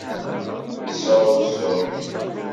Yesɛuẓẓug.